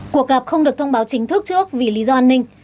cuộc gặp không được thông báo chính thức trước vì lý do an ninh